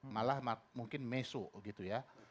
malah mungkin meso gitu ya